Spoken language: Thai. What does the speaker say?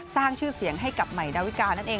สร้างชื่อเสียงให้กับใหม่ดาวิกานั่นเอง